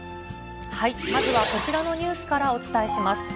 まずはこちらのニュースからお伝えします。